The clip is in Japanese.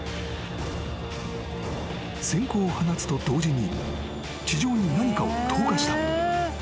［閃光を放つと同時に地上に何かを投下した］